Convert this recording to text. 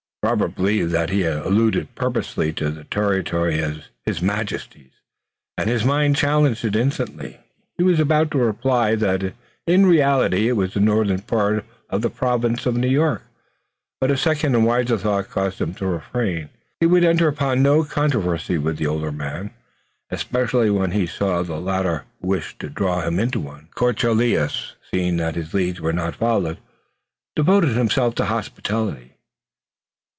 Robert believed that he had alluded purposely to the territory as "His Majesty's," and, his mind challenging it instantly, he was about to reply that in reality it was the northern part of the Province of New York, but his second and wiser thought caused him to refrain. He would enter upon no controversy with the older man, especially when he saw that the latter wished to draw him into one. De Courcelles, seeing that his lead was not followed, devoted himself to hospitality.